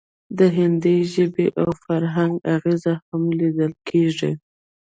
د هندي ژبې او فرهنګ اغیز هم لیدل کیږي